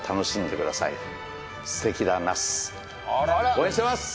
応援してます！